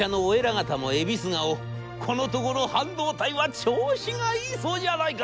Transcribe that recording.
『このところ半導体は調子がいいそうじゃないか。